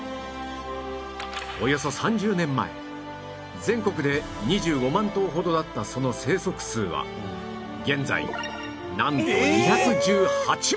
およそ３０年前全国で２５万頭ほどだったその生息数は現在なんと２１８万頭！